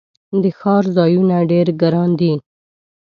د ښار ځایونه ډیر ګراندي